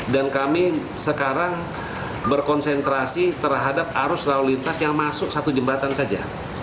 dan kami sekarang berkonsentrasi terhadap arus laulintas yang masuk satu jembatan saja